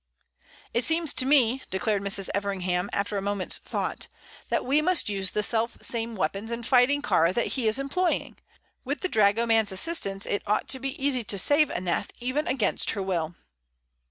"It seems to me," declared Mrs. Everingham, after a moment's thought, "that we must use the self same weapons in fighting Kāra that he is employing. With the dragoman's assistance it ought to be easy to save Aneth, even against her will."